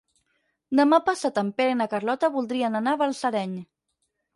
Demà passat en Pere i na Carlota voldrien anar a Balsareny.